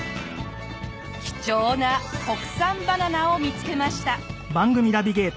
貴重な国産バナナを見つけました！